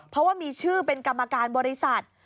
เพราะว่ามีชื่อเป็นกรรมการบริษัท